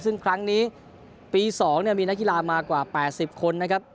ซึ่งครั้งนี้ปีสองเนี่ยมีนักกีฬามากว่าแปดสิบคนนะครับ